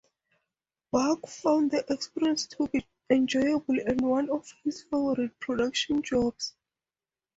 Buck found the experience to be enjoyable and one of his favorite production jobs.